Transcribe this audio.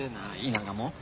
田舎もん